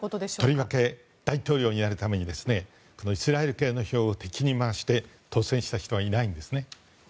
とりわけ大統領になるためにイスラエル系の票を敵に回して当選した人はいないんですね。